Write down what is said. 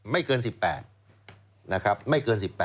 ไม่เกิน๑๘นะครับไม่เกิน๑๘